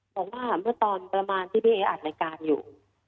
บอกว่าเมื่อตอนประมาณที่พี่เออัดรายการอยู่